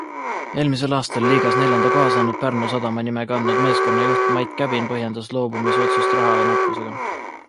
Eelmisel aastal liigas neljanda koha saanud Pärnu Sadama nime kandnud meeskonna juht Mait Käbin põhjendas loobumisotsust raha nappusega.